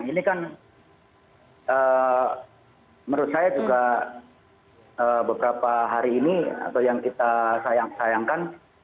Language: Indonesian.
ini kan menurut saya juga beberapa hari ini atau yang kita sayang sayangkan